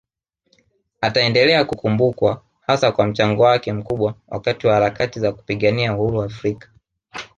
Ataendelea kukumbukwa hasa kwa mchango wake mkubwa wakati wa harakati za kupigania uhuru Afrika